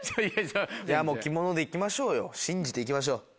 いやもう着物で行きましょうよ信じて行きましょう。